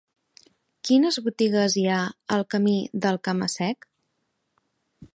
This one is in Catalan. Quines botigues hi ha al camí del Cama-sec?